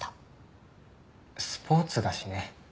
スポーツだしね。